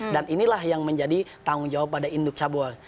dan inilah yang menjadi tanggung jawab pada induk cabur